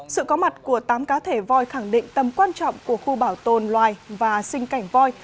sự có mặt của tám cá thể voi khẳng định tầm quan trọng của khu bảo tồn loài và sinh cảnh voi